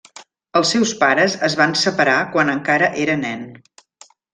Els seus pares es van separar quan encara era nen.